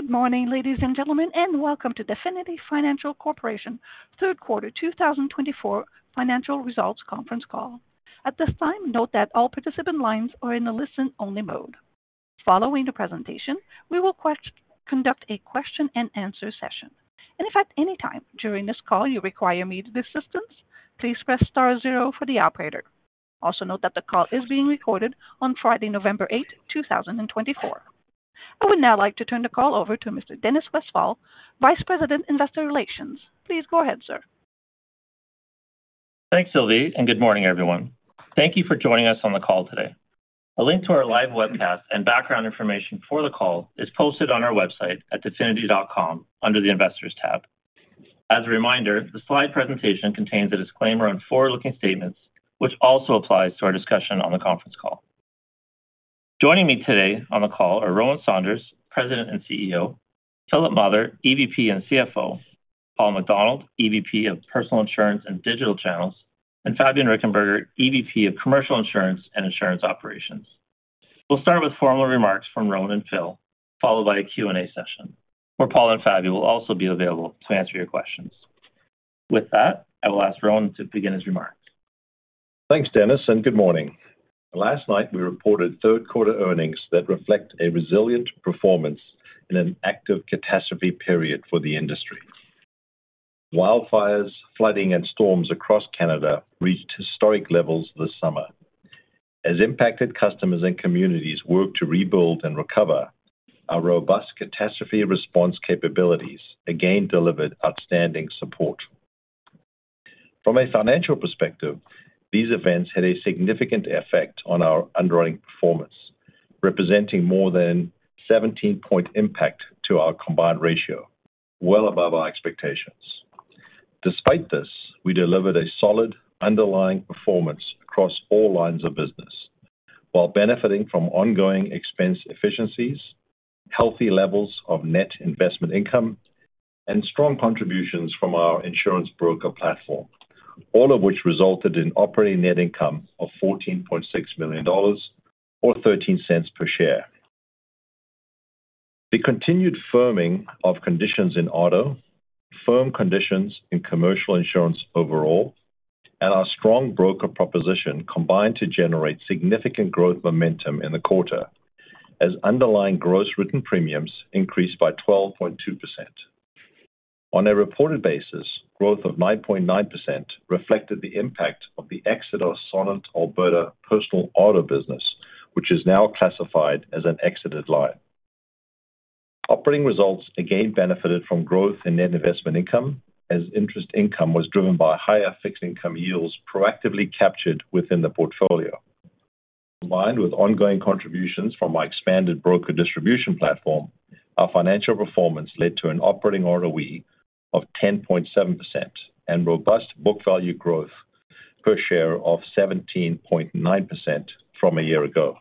Good morning, ladies and gentlemen, and welcome to Definity Financial Corporation's Third Quarter 2024 Financial Results Conference Call. At this time, note that all participant lines are in the listen-only mode. Following the presentation, we will conduct a question-and-answer session. And if at any time during this call you require immediate assistance, please press star zero for the operator. Also note that the call is being recorded on Friday, November 8, 2024. I would now like to turn the call over to Mr. Dennis Westfall, Vice President, Investor Relations. Please go ahead, sir. Thanks, Sylvie, and good morning, everyone. Thank you for joining us on the call today. A link to our live webcast and background information for the call is posted on our website at definity.com under the Investors tab. As a reminder, the slide presentation contains a disclaimer on forward-looking statements, which also applies to our discussion on the conference call. Joining me today on the call are Rowan Saunders, President and CEO, Philip Mather, EVP and CFO, Paul MacDonald, EVP of Personal Insurance and Digital Channels, and Fabian Richenberger, EVP of Commercial Insurance and Insurance Operations. We'll start with formal remarks from Rowan and Phil, followed by a Q&A session where Paul and Fabian will also be available to answer your questions. With that, I will ask Rowan to begin his remarks. Thanks, Dennis, and good morning. Last night, we reported third-quarter earnings that reflect a resilient performance in an active catastrophe period for the industry. Wildfires, flooding, and storms across Canada reached historic levels this summer. As impacted customers and communities work to rebuild and recover, our robust catastrophe response capabilities again delivered outstanding support. From a financial perspective, these events had a significant effect on our underlying performance, representing more than a 17-point impact to our combined ratio, well above our expectations. Despite this, we delivered a solid underlying performance across all lines of business, while benefiting from ongoing expense efficiencies, healthy levels of net investment income, and strong contributions from our insurance broker platform, all of which resulted in operating net income of 14.6 million dollars or 0.13 per share. The continued firming of conditions in auto, firm conditions in commercial insurance overall, and our strong broker proposition combined to generate significant growth momentum in the quarter, as underlying gross written premiums increased by 12.2%. On a reported basis, growth of 9.9% reflected the impact of the exit of Sonnet Alberta personal auto business, which is now classified as an exited line. Operating results again benefited from growth in net investment income, as interest income was driven by higher fixed income yields proactively captured within the portfolio. Combined with ongoing contributions from our expanded broker distribution platform, our financial performance led to an operating ROE of 10.7% and robust book value growth per share of 17.9% from a year ago.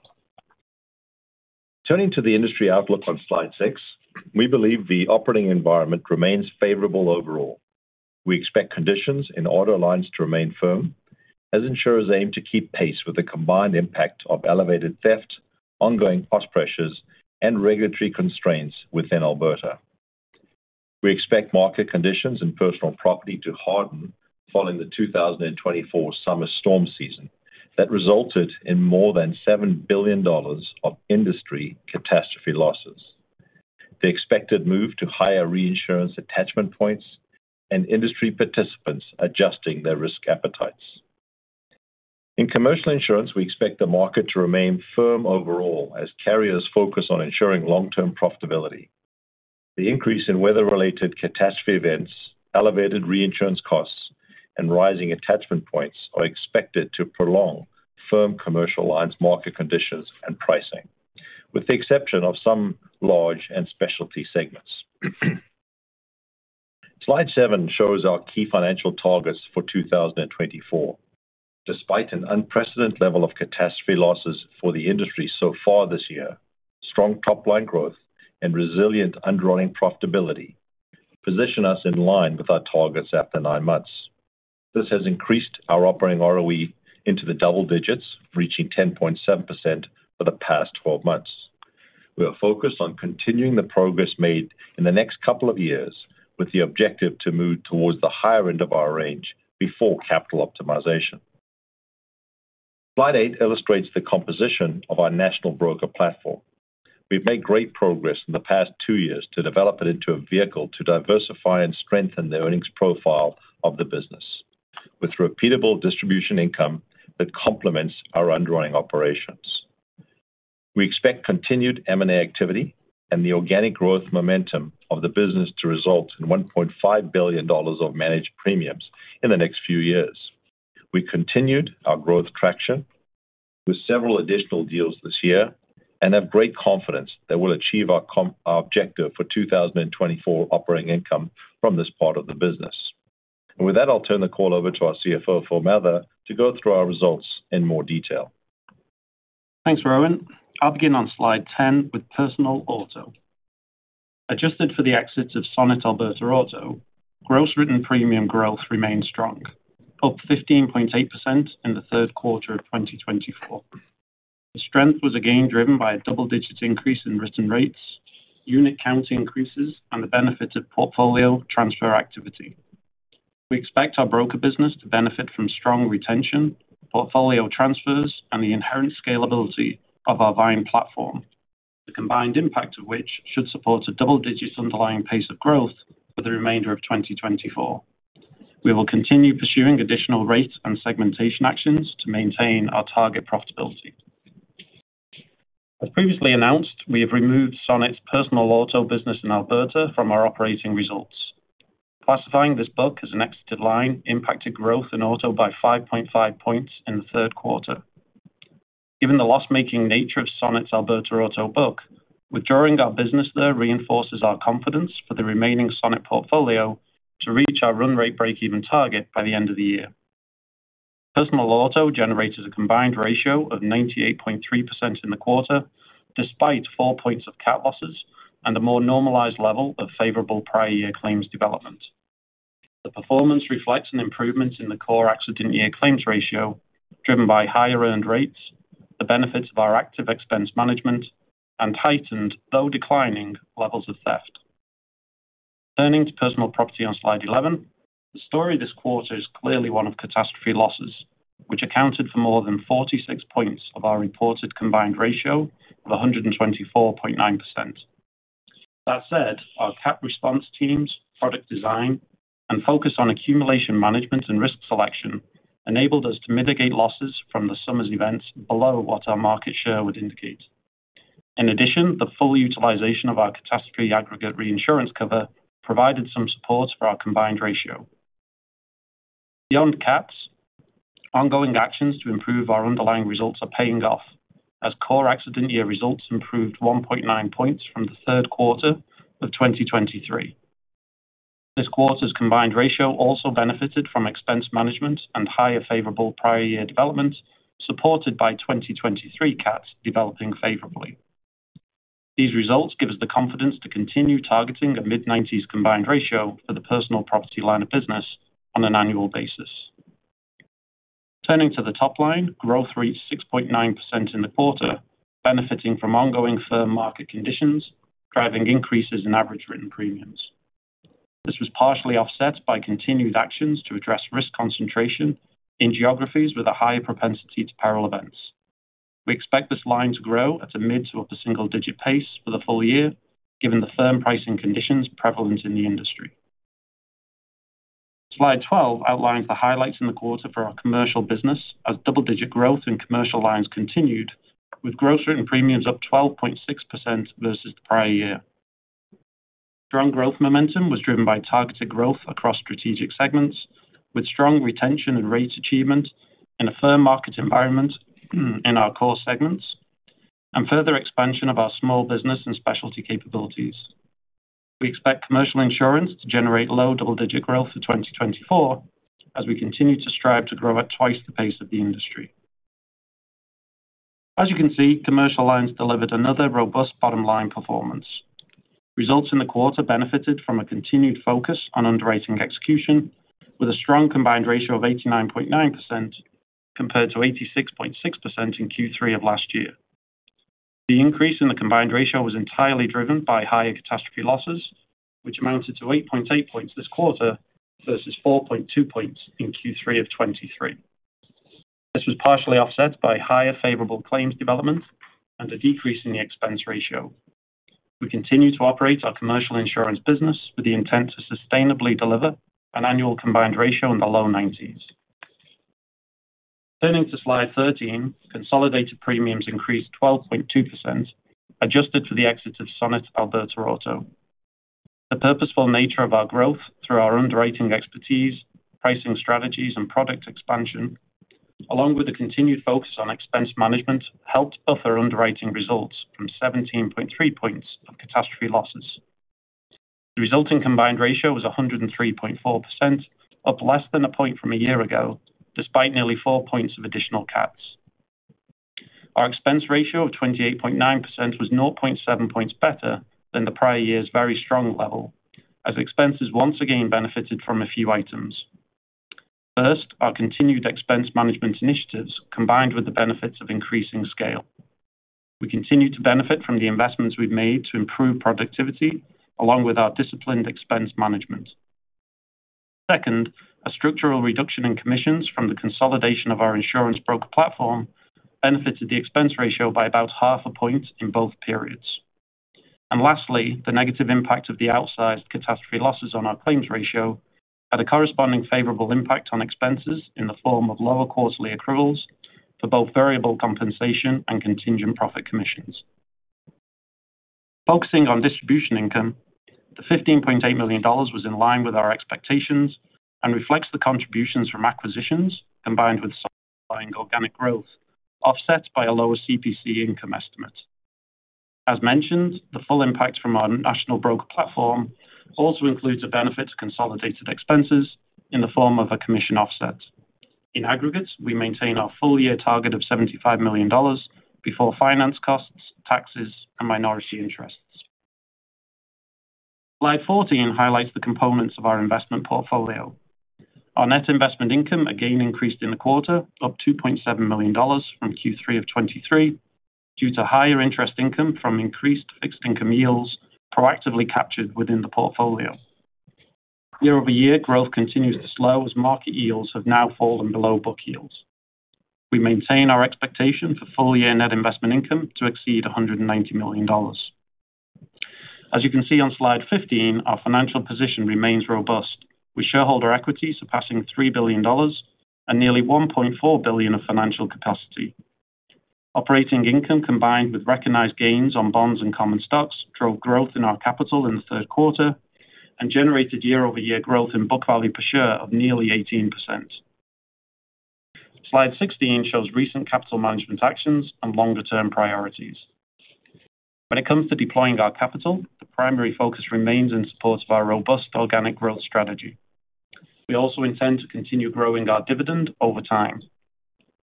Turning to the industry outlook on slide six, we believe the operating environment remains favorable overall. We expect conditions and auto lines to remain firm, as insurers aim to keep pace with the combined impact of elevated theft, ongoing cost pressures, and regulatory constraints within Alberta. We expect market conditions and personal property to harden following the 2024 summer storm season that resulted in more than 7 billion dollars of industry catastrophe losses. The expected move to higher reinsurance attachment points and industry participants adjusting their risk appetites. In commercial insurance, we expect the market to remain firm overall as carriers focus on ensuring long-term profitability. The increase in weather-related catastrophe events, elevated reinsurance costs, and rising attachment points are expected to prolong firm commercial lines' market conditions and pricing, with the exception of some large and specialty segments. Slide seven shows our key financial targets for 2024. Despite an unprecedented level of catastrophe losses for the industry so far this year, strong top-line growth, and resilient underlying profitability position us in line with our targets after nine months. This has increased our Operating ROE into the double digits, reaching 10.7% for the past 12 months. We are focused on continuing the progress made in the next couple of years with the objective to move towards the higher end of our range before capital optimization. Slide eight illustrates the composition of our national broker platform. We've made great progress in the past two years to develop it into a vehicle to diversify and strengthen the earnings profile of the business, with repeatable distribution income that complements our underlying operations. We expect continued M&A activity and the organic growth momentum of the business to result in 1.5 billion dollars of managed premiums in the next few years. We continued our growth traction with several additional deals this year and have great confidence that we'll achieve our objective for 2024 operating income from this part of the business, and with that, I'll turn the call over to our CFO, Phil Mather, to go through our results in more detail. Thanks, Rowan. I'll begin on slide 10 with personal auto. Adjusted for the exits of Sonnet Alberta Auto, gross written premium growth remained strong, up 15.8% in the third quarter of 2024. The strength was again driven by a double-digit increase in written rates, unit count increases, and the benefit of portfolio transfer activity. We expect our broker business to benefit from strong retention, portfolio transfers, and the inherent scalability of our Vyne platform, the combined impact of which should support a double-digit underlying pace of growth for the remainder of 2024. We will continue pursuing additional rate and segmentation actions to maintain our target profitability. As previously announced, we have removed Sonnet's personal auto business in Alberta from our operating results, classifying this book as an exited line, impacted growth in auto by 5.5 points in the third quarter. Given the loss-making nature of Sonnet's Alberta Auto Book, withdrawing our business there reinforces our confidence for the remaining Sonnet portfolio to reach our run rate break-even target by the end of the year. Personal auto generated a combined ratio of 98.3% in the quarter, despite four points of cat losses and a more normalized level of favorable prior-year claims development. The performance reflects an improvement in the core accident-year claims ratio, driven by higher earned rates, the benefits of our active expense management, and heightened, though declining, levels of theft. Turning to personal property on slide 11, the story this quarter is clearly one of catastrophe losses, which accounted for more than 46 points of our reported combined ratio of 124.9%. That said, our cat response teams, product design, and focus on accumulation management and risk selection enabled us to mitigate losses from the summer's events below what our market share would indicate. In addition, the full utilization of our catastrophe aggregate reinsurance cover provided some support for our combined ratio. Beyond caps, ongoing actions to improve our underlying results are paying off, as core accident-year results improved 1.9 points from the third quarter of 2023. This quarter's combined ratio also benefited from expense management and higher favorable prior-year development, supported by 2023 caps developing favorably. These results give us the confidence to continue targeting a mid-90s combined ratio for the personal property line of business on an annual basis. Turning to the top line, growth reached 6.9% in the quarter, benefiting from ongoing firm market conditions, driving increases in average written premiums. This was partially offset by continued actions to address risk concentration in geographies with a higher propensity to peril events. We expect this line to grow at a mid to upper single-digit pace for the full year, given the firm pricing conditions prevalent in the industry. Slide 12 outlines the highlights in the quarter for our commercial business, as double-digit growth in commercial lines continued, with gross written premiums up 12.6% versus the prior year. Strong growth momentum was driven by targeted growth across strategic segments, with strong retention and rate achievement in a firm market environment in our core segments, and further expansion of our small business and specialty capabilities. We expect commercial insurance to generate low double-digit growth for 2024, as we continue to strive to grow at twice the pace of the industry. As you can see, commercial lines delivered another robust bottom-line performance. Results in the quarter benefited from a continued focus on underwriting execution, with a strong combined ratio of 89.9% compared to 86.6% in Q3 of last year. The increase in the combined ratio was entirely driven by higher catastrophe losses, which amounted to 8.8 points this quarter versus 4.2 points in Q3 of 2023. This was partially offset by higher favorable claims development and a decrease in the expense ratio. We continue to operate our commercial insurance business with the intent to sustainably deliver an annual combined ratio in the low 90s. Turning to slide 13, consolidated premiums increased 12.2%, adjusted for the exit of Sonnet Alberta Auto. The purposeful nature of our growth through our underwriting expertise, pricing strategies, and product expansion, along with the continued focus on expense management, helped buffer underwriting results from 17.3 points of catastrophe losses. The resulting combined ratio was 103.4%, up less than a point from a year ago, despite nearly four points of additional caps. Our expense ratio of 28.9% was 0.7 points better than the prior year's very strong level, as expenses once again benefited from a few items. First, our continued expense management initiatives combined with the benefits of increasing scale. We continue to benefit from the investments we've made to improve productivity, along with our disciplined expense management. Second, a structural reduction in commissions from the consolidation of our insurance broker platform benefited the expense ratio by about half a point in both periods. And lastly, the negative impact of the outsized catastrophe losses on our claims ratio had a corresponding favorable impact on expenses in the form of lower quarterly accruals for both variable compensation and contingent profit commissions. Focusing on distribution income, the 15.8 million dollars was in line with our expectations and reflects the contributions from acquisitions combined with sustained organic growth, offset by a lower CPC income estimate. As mentioned, the full impact from our national broker platform also includes a benefit to consolidated expenses in the form of a commission offset. In aggregate, we maintain our full-year target of 75 million dollars before finance costs, taxes, and minority interests. Slide 14 highlights the components of our investment portfolio. Our net investment income again increased in the quarter, up 2.7 million dollars from Q3 of 2023, due to higher interest income from increased fixed income yields proactively captured within the portfolio. Year-over-year growth continues to slow as market yields have now fallen below book yields. We maintain our expectation for full-year net investment income to exceed 190 million dollars. As you can see on slide 15, our financial position remains robust, with shareholder equity surpassing 3 billion dollars and nearly 1.4 billion of financial capacity. Operating income combined with recognized gains on bonds and common stocks drove growth in our capital in the third quarter and generated year-over-year growth in book value per share of nearly 18%. Slide 16 shows recent capital management actions and longer-term priorities. When it comes to deploying our capital, the primary focus remains in support of our robust organic growth strategy. We also intend to continue growing our dividend over time.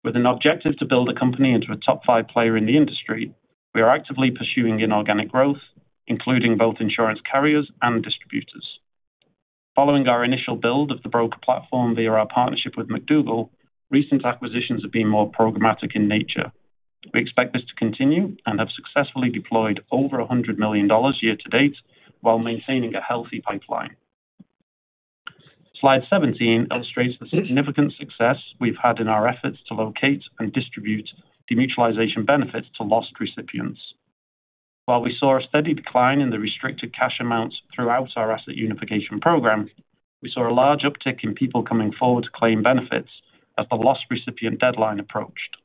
With an objective to build a company into a top-five player in the industry, we are actively pursuing inorganic growth, including both insurance carriers and distributors. Following our initial build of the broker platform via our partnership with McDougall, recent acquisitions have been more programmatic in nature. We expect this to continue and have successfully deployed over 100 million dollars year-to-date while maintaining a healthy pipeline. Slide 17 illustrates the significant success we've had in our efforts to locate and distribute the mutualization benefits to lost recipients. While we saw a steady decline in the restricted cash amounts throughout our asset reunification program, we saw a large uptick in people coming forward to claim benefits as the lost recipient deadline approached.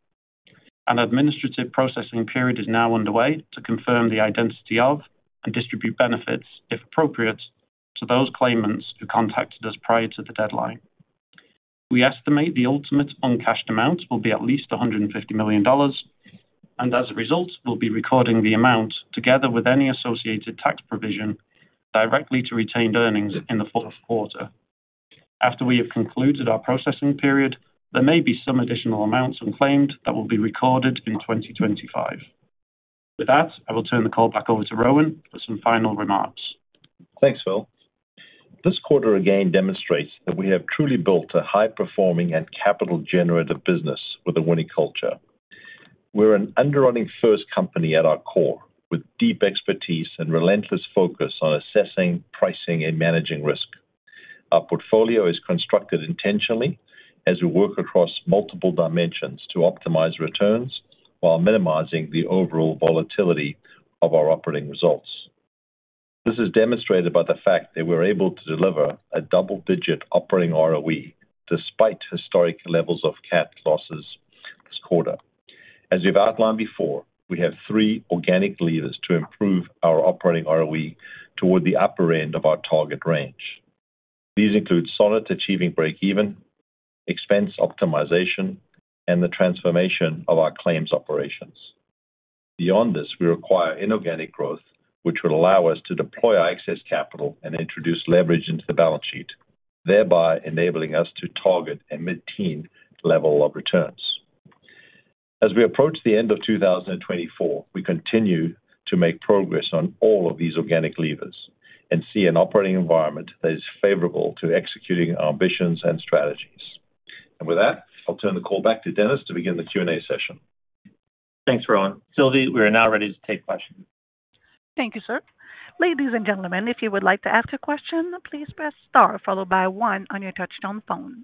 An administrative processing period is now underway to confirm the identity of and distribute benefits, if appropriate, to those claimants who contacted us prior to the deadline. We estimate the ultimate uncashed amount will be at least 150 million dollars, and as a result, we'll be recording the amount together with any associated tax provision directly to retained earnings in the fourth quarter. After we have concluded our processing period, there may be some additional amounts unclaimed that will be recorded in 2025. With that, I will turn the call back over to Rowan for some final remarks. Thanks, Phil. This quarter again demonstrates that we have truly built a high-performing and capital-generative business with a winning culture. We're an underwriting-first company at our core, with deep expertise and relentless focus on assessing, pricing, and managing risk. Our portfolio is constructed intentionally as we work across multiple dimensions to optimize returns while minimizing the overall volatility of our operating results. This is demonstrated by the fact that we're able to deliver a double-digit operating ROE despite historic levels of cat losses this quarter. As we've outlined before, we have three organic levers to improve our operating ROE toward the upper end of our target range. These include solidly achieving break-even, expense optimization, and the transformation of our claims operations. Beyond this, we require inorganic growth, which will allow us to deploy our excess capital and introduce leverage into the balance sheet, thereby enabling us to target a mid-teen level of returns. As we approach the end of 2024, we continue to make progress on all of these organic levers and see an operating environment that is favorable to executing our ambitions and strategies. And with that, I'll turn the call back to Dennis to begin the Q&A session. Thanks, Rowan. Sylvie, we are now ready to take questions. Thank you, sir. Ladies and gentlemen, if you would like to ask a question, please press star followed by one on your touch-tone phone.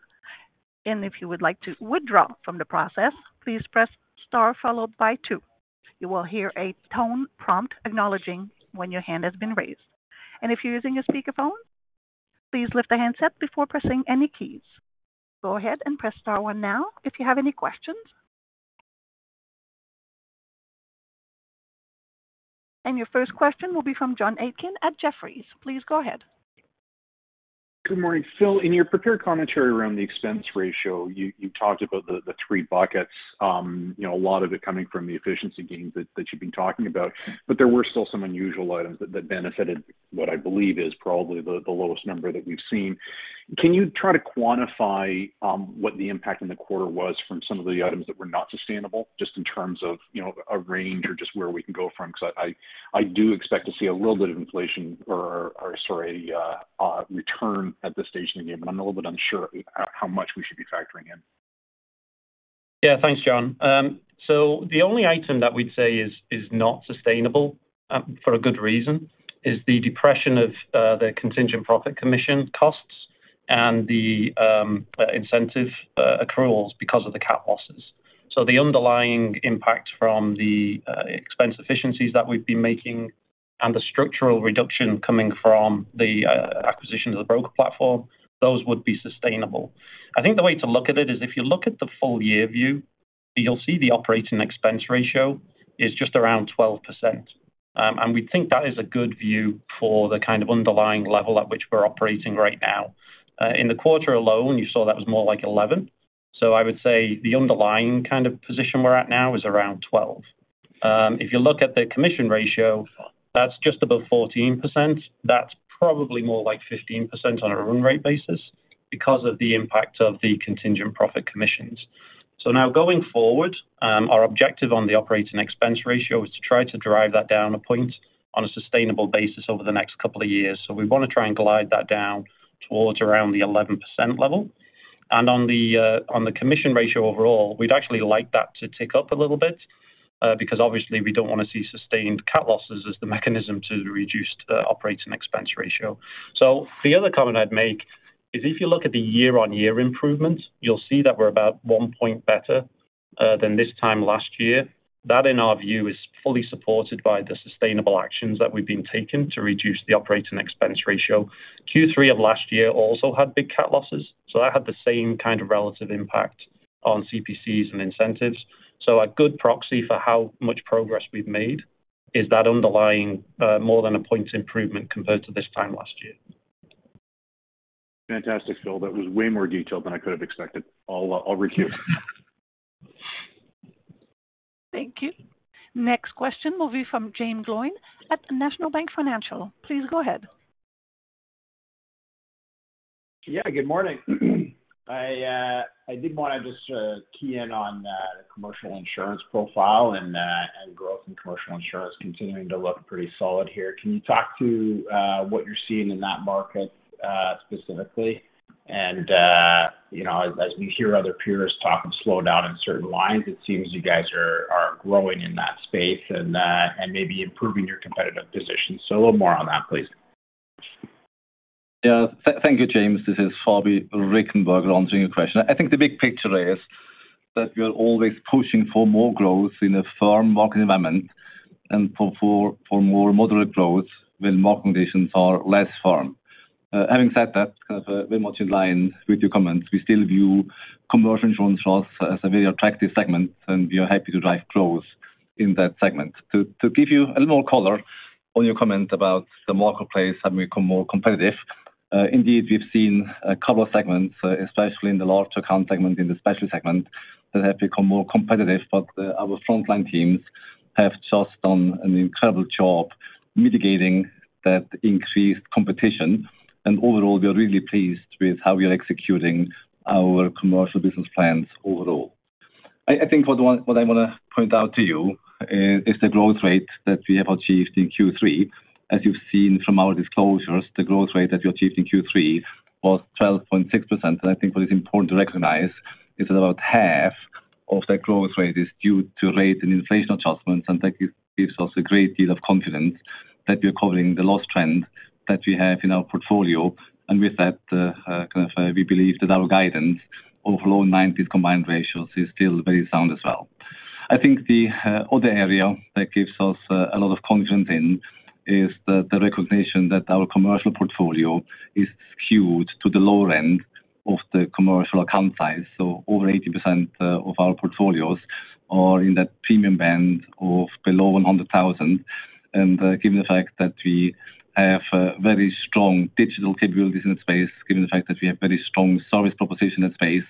And if you would like to withdraw from the process, please press star followed by two. You will hear a tone prompt acknowledging when your hand has been raised. And if you're using a speakerphone, please lift the handset before pressing any keys. Go ahead and press star one now if you have any questions. And your first question will be from John Aitken at Jefferies. Please go ahead. Good morning, Phil. In your prepared commentary around the expense ratio, you talked about the three buckets, a lot of it coming from the efficiency gains that you've been talking about, but there were still some unusual items that benefited what I believe is probably the lowest number that we've seen. Can you try to quantify what the impact in the quarter was from some of the items that were not sustainable, just in terms of a range or just where we can go from? Because I do expect to see a little bit of inflation or, sorry, return at this stage of the game, but I'm a little bit unsure how much we should be factoring in. Yeah, thanks, John. So the only item that we'd say is not sustainable for a good reason is the depression of the contingent profit commission costs and the incentive accruals because of the cat losses. So the underlying impact from the expense efficiencies that we've been making and the structural reduction coming from the acquisition of the broker platform, those would be sustainable. I think the way to look at it is if you look at the full-year view, you'll see the operating expense ratio is just around 12%. And we think that is a good view for the kind of underlying level at which we're operating right now. In the quarter alone, you saw that was more like 11%. So I would say the underlying kind of position we're at now is around 12%. If you look at the commission ratio, that's just above 14%. That's probably more like 15% on a run rate basis because of the impact of the contingent profit commissions. So now going forward, our objective on the operating expense ratio is to try to drive that down a point on a sustainable basis over the next couple of years. So we want to try and glide that down towards around the 11% level. And on the commission ratio overall, we'd actually like that to tick up a little bit because obviously we don't want to see sustained cat losses as the mechanism to reduce the operating expense ratio. So the other comment I'd make is if you look at the year-on-year improvements, you'll see that we're about one point better than this time last year. That, in our view, is fully supported by the sustainable actions that we've been taking to reduce the operating expense ratio. Q3 of last year also had big cat losses, so that had the same kind of relative impact on CPCs and incentives, so a good proxy for how much progress we've made is that underlying more than a point improvement compared to this time last year. Fantastic, Phil. That was way more detailed than I could have expected. I'll recap. Thank you. Next question will be from Jaeme Gloyn at National Bank Financial. Please go ahead. Yeah, good morning. I did want to just key in on the commercial insurance profile and growth in commercial insurance continuing to look pretty solid here. Can you talk to what you're seeing in that market specifically? And as we hear other peers talk of slowdown in certain lines, it seems you guys are growing in that space and maybe improving your competitive position. So a little more on that, please. Yeah, thank you, James. This is Fabian Richenberger launching a question. I think the big picture is that we are always pushing for more growth in a firm market environment and for more moderate growth when market conditions are less firm. Having said that, kind of very much in line with your comments, we still view commercial insurance lines as a very attractive segment, and we are happy to drive growth in that segment. To give you a little more color on your comment about the marketplace having become more competitive, indeed, we've seen a couple of segments, especially in the large account segment, in the specialty segment, that have become more competitive, but our frontline teams have just done an incredible job mitigating that increased competition, and overall, we are really pleased with how we are executing our commercial business plans overall. I think what I want to point out to you is the growth rate that we have achieved in Q3. As you've seen from our disclosures, the growth rate that we achieved in Q3 was 12.6%. And I think what is important to recognize is that about half of that growth rate is due to rate and inflation adjustments, and that gives us a great deal of confidence that we are covering the loss trend that we have in our portfolio. And with that, kind of we believe that our guidance over low 90s combined ratios is still very sound as well. I think the other area that gives us a lot of confidence in is the recognition that our commercial portfolio is skewed to the lower end of the commercial account size. So over 80% of our portfolios are in that premium band of below 100,000. Given the fact that we have very strong digital capabilities in that space, given the fact that we have very strong service propositions in that space,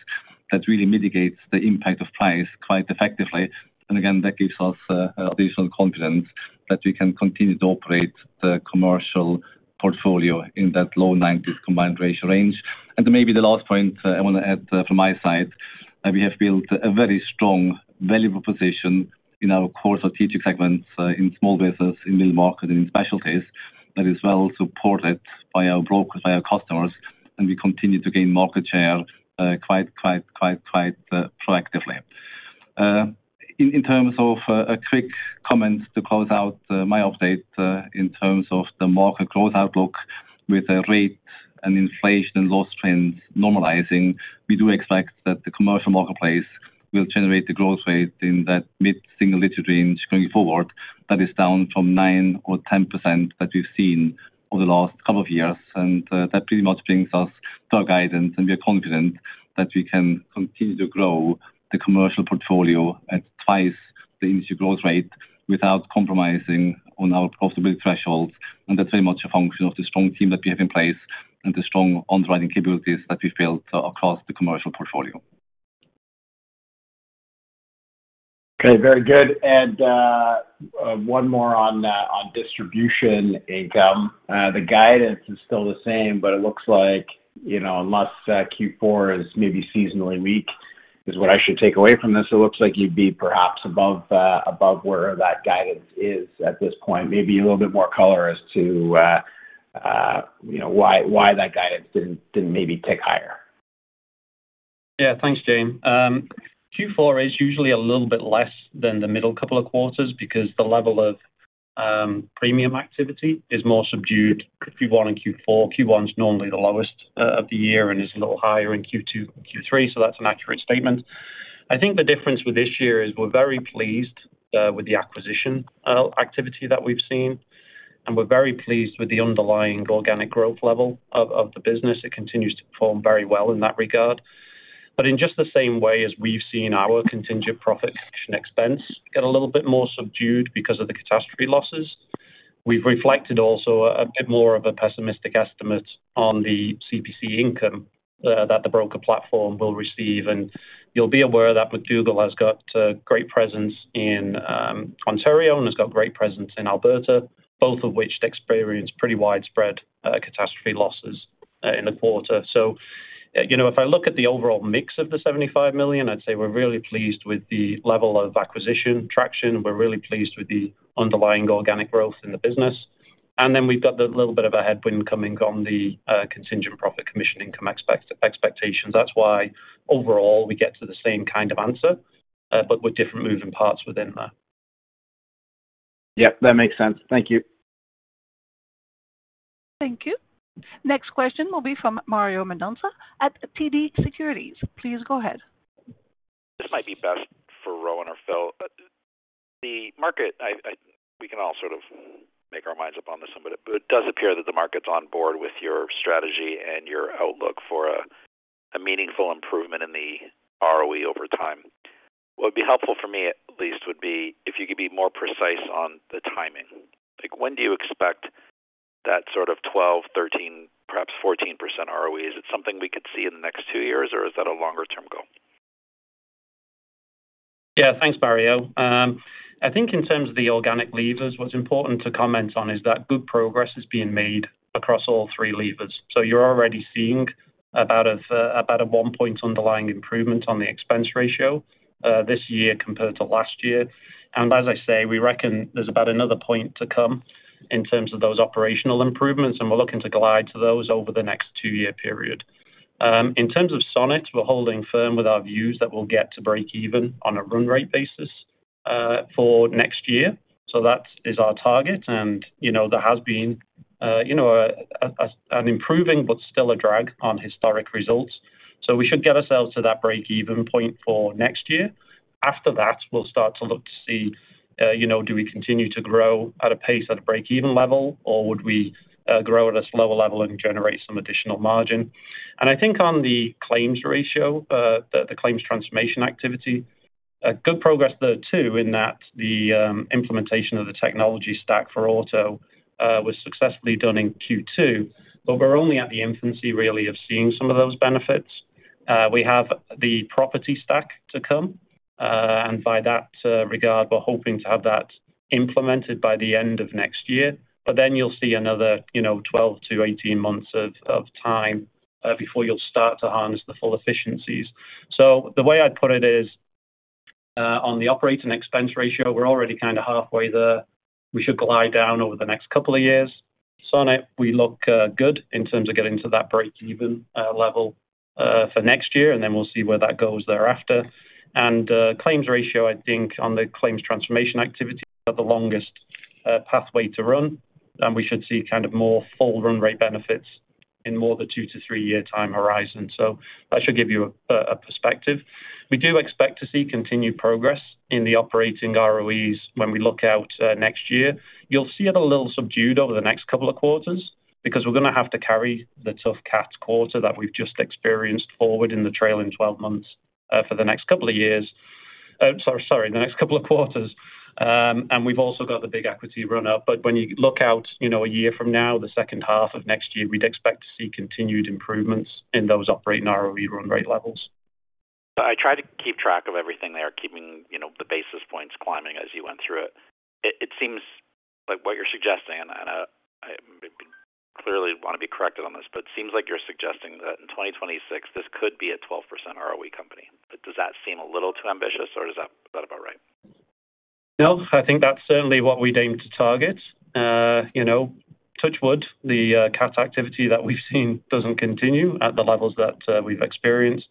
that really mitigates the impact of price quite effectively. Again, that gives us additional confidence that we can continue to operate the commercial portfolio in that low 90s combined ratio range. Maybe the last point I want to add from my side, we have built a very strong, valuable position in our core strategic segments in small business, in middle market, and in specialties that is well supported by our brokers, by our customers, and we continue to gain market share quite proactively. In terms of a quick comment to close out my update in terms of the market growth outlook, with the rate and inflation and loss trends normalizing, we do expect that the commercial marketplace will generate the growth rate in that mid-single digit range going forward. That is down from nine or 10% that we've seen over the last couple of years. That pretty much brings us to our guidance, and we are confident that we can continue to grow the commercial portfolio at twice the industry growth rate without compromising on our profitability thresholds. That's very much a function of the strong team that we have in place and the strong underwriting capabilities that we've built across the commercial portfolio. Okay, very good, and one more on distribution income. The guidance is still the same, but it looks like unless Q4 is maybe seasonally weak is what I should take away from this, it looks like you'd be perhaps above where that guidance is at this point. Maybe a little bit more color as to why that guidance didn't maybe tick higher. Yeah, thanks, Jaeme. Q4 is usually a little bit less than the middle couple of quarters because the level of premium activity is more subdued Q1 and Q4. Q1 is normally the lowest of the year and is a little higher in Q2 and Q3, so that's an accurate statement. I think the difference with this year is we're very pleased with the acquisition activity that we've seen, and we're very pleased with the underlying organic growth level of the business. It continues to perform very well in that regard. But in just the same way as we've seen our contingent profit commission expense get a little bit more subdued because of the catastrophe losses, we've reflected also a bit more of a pessimistic estimate on the CPC income that the broker platform will receive. You'll be aware that McDougall has got a great presence in Ontario and has got a great presence in Alberta, both of which experienced pretty widespread catastrophe losses in the quarter. So if I look at the overall mix of the 75 million, I'd say we're really pleased with the level of acquisition traction. We're really pleased with the underlying organic growth in the business. And then we've got a little bit of a headwind coming from the contingent profit commission income expectations. That's why overall we get to the same kind of answer, but with different moving parts within there. Yeah, that makes sense. Thank you. Thank you. Next question will be from Mario Mendonca at TD Securities. Please go ahead. This might be best for Rowan or Phil. The market, we can all sort of make our minds up on this, but it does appear that the market's on board with your strategy and your outlook for a meaningful improvement in the ROE over time. What would be helpful for me, at least, would be if you could be more precise on the timing. When do you expect that sort of 12%, 13%, perhaps 14% ROE? Is it something we could see in the next two years, or is that a longer-term goal? Yeah, thanks, Mario. I think in terms of the organic levers, what's important to comment on is that good progress is being made across all three levers. So you're already seeing about a one-point underlying improvement on the expense ratio this year compared to last year. And as I say, we reckon there's about another point to come in terms of those operational improvements, and we're looking to glide to those over the next two-year period. In terms of Sonnet, we're holding firm with our views that we'll get to break-even on a run rate basis for next year. So that is our target. And there has been an improving, but still a drag on historic results. So we should get ourselves to that break-even point for next year. After that, we'll start to look to see do we continue to grow at a pace at a break-even level, or would we grow at a slower level and generate some additional margin, and I think on the claims ratio, the claims transformation activity, good progress there too in that the implementation of the technology stack for auto was successfully done in Q2, but we're only in the infancy really of seeing some of those benefits. We have the property stack to come, and in that regard, we're hoping to have that implemented by the end of next year, but then you'll see another 12 to 18 months of time before you'll start to harness the full efficiencies, so the way I'd put it is on the operating expense ratio, we're already kind of halfway there. We should glide down over the next couple of years. Sonnet, we look good in terms of getting to that break-even level for next year, and then we'll see where that goes thereafter. Claims ratio, I think on the claims transformation activity, the longest pathway to run. We should see kind of more full run rate benefits in more than a two- to three-year time horizon. That should give you a perspective. We do expect to see continued progress in the operating ROEs when we look out next year. You'll see it a little subdued over the next couple of quarters because we're going to have to carry the tough cat quarter that we've just experienced forward in the trailing 12 months for the next couple of years. Sorry, sorry, the next couple of quarters. We've also got the big equity run-up. But when you look out a year from now, the second half of next year, we'd expect to see continued improvements in those operating ROE run rate levels. I tried to keep track of everything there, keeping the basis points climbing as you went through it. It seems like what you're suggesting, and I clearly want to be corrected on this, but it seems like you're suggesting that in 2026, this could be a 12% ROE company. Does that seem a little too ambitious, or is that about right? No, I think that's certainly what we'd aim to target. Touch wood, the cat activity that we've seen doesn't continue at the levels that we've experienced,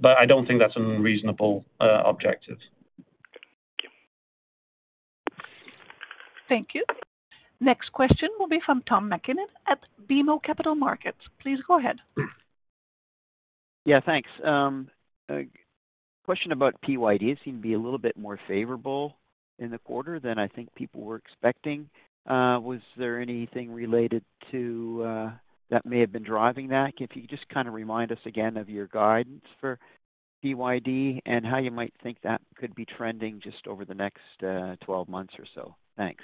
but I don't think that's an unreasonable objective. Thank you. Thank you. Next question will be from Tom MacKinnon at BMO Capital Markets. Please go ahead. Yeah, thanks. Question about PYD seemed to be a little bit more favorable in the quarter than I think people were expecting. Was there anything related to that may have been driving that? If you could just kind of remind us again of your guidance for PYD and how you might think that could be trending just over the next 12 months or so. Thanks.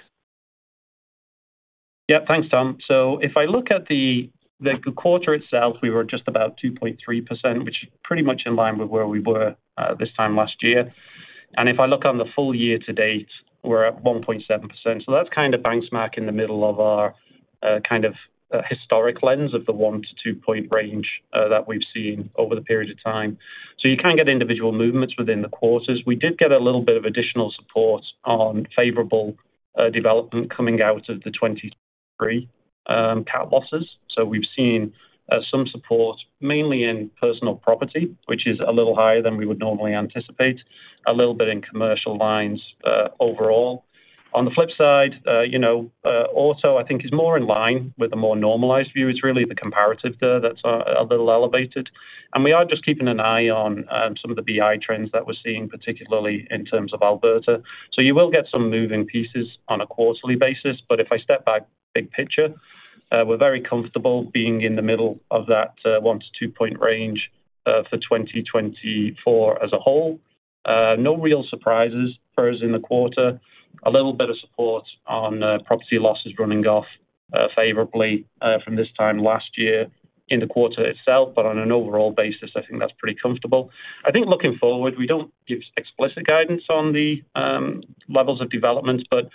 Yeah, thanks, Tom. So if I look at the quarter itself, we were just about 2.3%, which is pretty much in line with where we were this time last year. And if I look on the full year to date, we're at 1.7%. So that's kind of benchmark in the middle of our kind of historic lens of the one to two-point range that we've seen over the period of time. So you can get individual movements within the quarters. We did get a little bit of additional support on favorable development coming out of the 2023 cat losses. So we've seen some support mainly in personal property, which is a little higher than we would normally anticipate, a little bit in commercial lines overall. On the flip side, auto, I think, is more in line with a more normalized view. It's really the comparative there that's a little elevated. We are just keeping an eye on some of the BI trends that we're seeing, particularly in terms of Alberta. So you will get some moving pieces on a quarterly basis. But if I step back, big picture, we're very comfortable being in the middle of that one to two-point range for 2024 as a whole. No real surprises for us in the quarter. A little bit of support on property losses running off favorably from this time last year in the quarter itself. But on an overall basis, I think that's pretty comfortable. I think looking forward, we don't give explicit guidance on the levels of development. But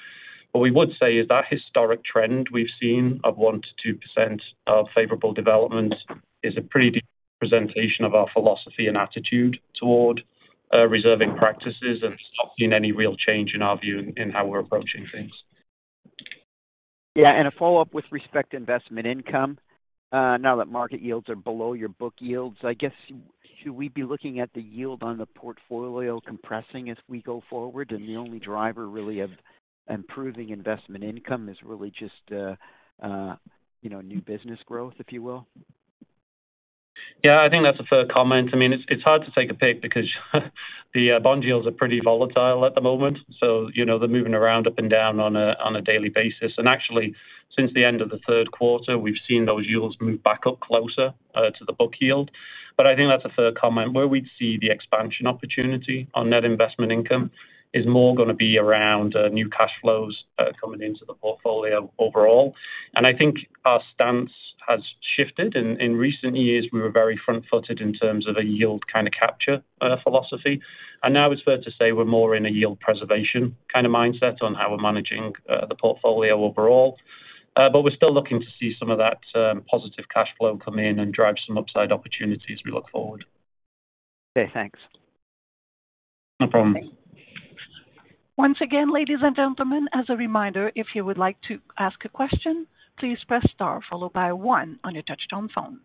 what we would say is that historic trend we've seen of 1%-2% of favorable development is a pretty decent presentation of our philosophy and attitude toward reserving practices and not seeing any real change in our view in how we're approaching things. Yeah, and a follow-up with respect to investment income. Now that market yields are below your book yields, I guess should we be looking at the yield on the portfolio compressing as we go forward? And the only driver really of improving investment income is really just new business growth, if you will. Yeah, I think that's a fair comment. I mean, it's hard to take a pick because the bond yields are pretty volatile at the moment, so they're moving around up and down on a daily basis, and actually, since the end of the third quarter, we've seen those yields move back up closer to the book yield, but I think that's a fair comment. Where we'd see the expansion opportunity on net investment income is more going to be around new cash flows coming into the portfolio overall, and I think our stance has shifted. In recent years, we were very front-footed in terms of a yield kind of capture philosophy, and now it's fair to say we're more in a yield preservation kind of mindset on how we're managing the portfolio overall. But we're still looking to see some of that positive cash flow come in and drive some upside opportunities as we look forward. Okay, thanks. No problem. Once again, ladies and gentlemen, as a reminder, if you would like to ask a question, please press star followed by one on your touch-tone phone.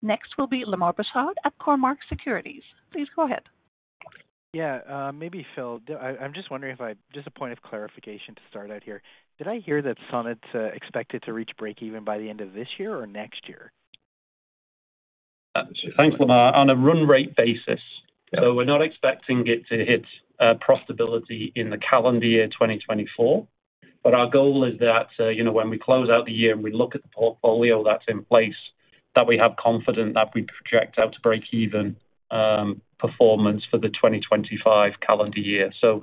Next will be Lemar Persaud at Cormark Securities. Please go ahead. Yeah, maybe Phil. I'm just wondering if it's just a point of clarification to start out here. Did I hear that Sonnet's expected to reach break-even by the end of this year or next year? Thanks, Lemar. On a run rate basis, we're not expecting it to hit profitability in the calendar year 2024, but our goal is that when we close out the year and we look at the portfolio that's in place, that we have confidence that we project out to break-even performance for the 2025 calendar year, so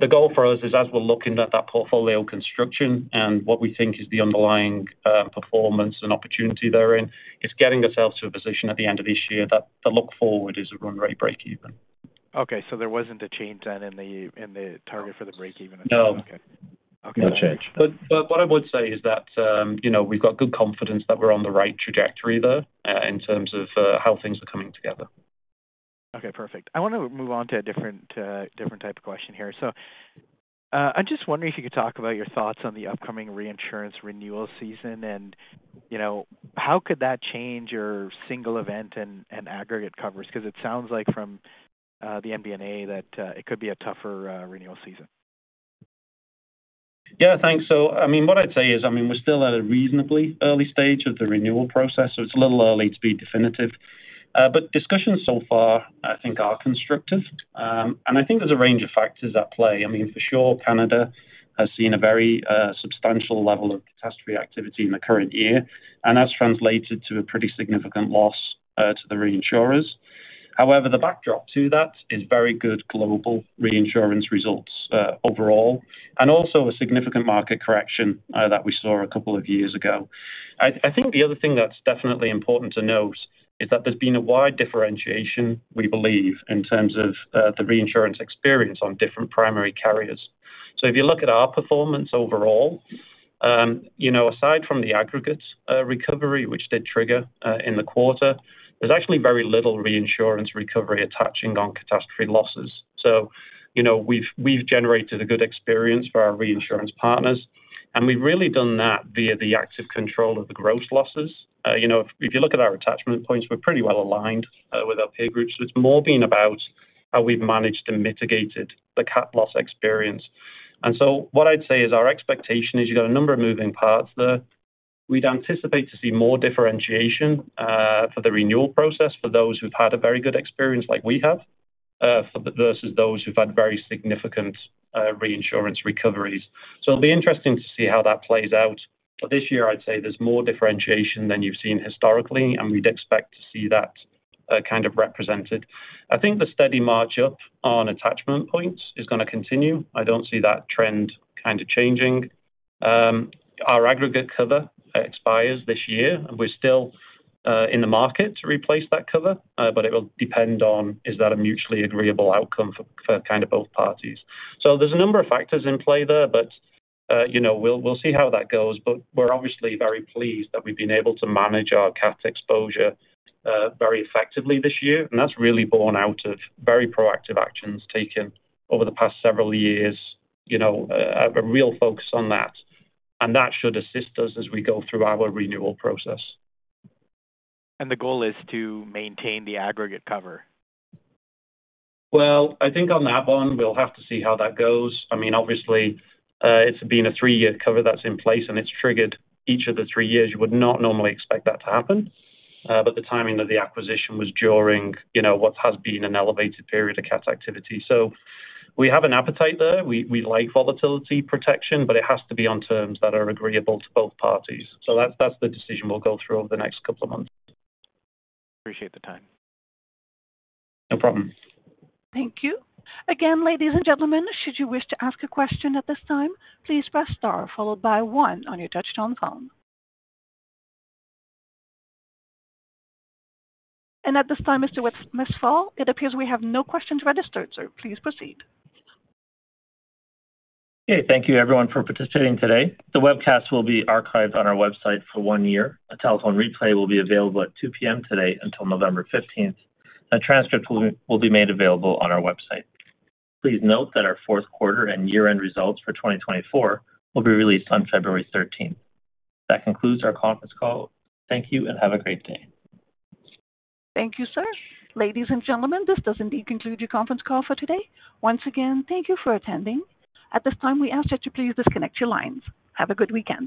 the goal for us is, as we're looking at that portfolio construction and what we think is the underlying performance and opportunity therein, it's getting ourselves to a position at the end of this year that the look forward is a run rate break-even. Okay, so there wasn't a change then in the target for the break-even? No. Okay. No change, but what I would say is that we've got good confidence that we're on the right trajectory there in terms of how things are coming together. Okay, perfect. I want to move on to a different type of question here. So I'm just wondering if you could talk about your thoughts on the upcoming reinsurance renewal season and how could that change your single event and aggregate covers? Because it sounds like from the MD&A that it could be a tougher renewal season. Yeah, thanks. So I mean, what I'd say is, I mean, we're still at a reasonably early stage of the renewal process, so it's a little early to be definitive. But discussions so far, I think, are constructive. And I think there's a range of factors at play. I mean, for sure, Canada has seen a very substantial level of catastrophe activity in the current year, and that's translated to a pretty significant loss to the reinsurers. However, the backdrop to that is very good global reinsurance results overall and also a significant market correction that we saw a couple of years ago. I think the other thing that's definitely important to note is that there's been a wide differentiation, we believe, in terms of the reinsurance experience on different primary carriers. So if you look at our performance overall, aside from the aggregate recovery, which did trigger in the quarter, there's actually very little reinsurance recovery attaching on catastrophe losses. So we've generated a good experience for our reinsurance partners, and we've really done that via the active control of the gross losses. If you look at our attachment points, we're pretty well aligned with our peer groups. So it's more been about how we've managed and mitigated the cat loss experience. And so what I'd say is our expectation is you've got a number of moving parts there. We'd anticipate to see more differentiation for the renewal process for those who've had a very good experience like we have versus those who've had very significant reinsurance recoveries. So it'll be interesting to see how that plays out. But this year, I'd say there's more differentiation than you've seen historically, and we'd expect to see that kind of represented. I think the steady march up on attachment points is going to continue. I don't see that trend kind of changing. Our aggregate cover expires this year, and we're still in the market to replace that cover, but it will depend on if that is a mutually agreeable outcome for kind of both parties. So there's a number of factors in play there, but we'll see how that goes. But we're obviously very pleased that we've been able to manage our cat exposure very effectively this year. And that's really borne out of very proactive actions taken over the past several years, a real focus on that. And that should assist us as we go through our renewal process. The goal is to maintain the aggregate cover? I think on that one, we'll have to see how that goes. I mean, obviously, it's been a three-year cover that's in place, and it's triggered each of the three years. You would not normally expect that to happen, but the timing of the acquisition was during what has been an elevated period of cat activity, so we have an appetite there. We like volatility protection, but it has to be on terms that are agreeable to both parties, so that's the decision we'll go through over the next couple of months. Appreciate the time. No problem. Thank you. Again, ladies and gentlemen, should you wish to ask a question at this time, please press star followed by one on your touch-tone phone. And at this time, Mr. Westfall, it appears we have no questions registered, so please proceed. Okay, thank you, everyone, for participating today. The webcast will be archived on our website for one year. A telephone replay will be available at 2:00 P.M. today until November 15th. A transcript will be made available on our website. Please note that our fourth quarter and year-end results for 2024 will be released on February 13th. That concludes our conference call. Thank you and have a great day. Thank you, sir. Ladies and gentlemen, this does indeed conclude your conference call for today. Once again, thank you for attending. At this time, we ask that you please disconnect your lines. Have a good weekend.